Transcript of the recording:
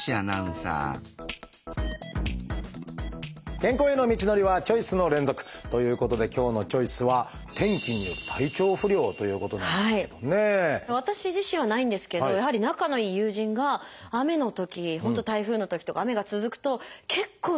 健康への道のりはチョイスの連続！ということで今日の「チョイス」は私自身はないんですけどやはり仲のいい友人が雨のとき本当台風のときとか雨が続くと結構しんどそうで。